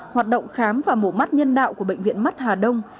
hoạt động khám và mổ mắt nhân đạo của bệnh viện mắt hà đông